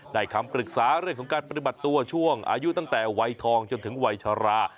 คำปรึกษาเรื่องของการปฏิบัติตัวช่วงอายุตั้งแต่วัยทองจนถึงวัยชรา